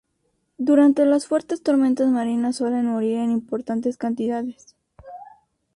Durante las fuertes tormentas marinas suelen morir en importantes cantidades.